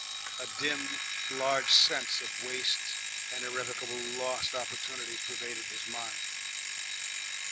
A dim large sense of waste and irrevocable lost opportunities pervaded his mind.